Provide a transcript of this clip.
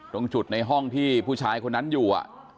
ตรงจุดในห้องที่ผู้ชายคนนั้นอยู่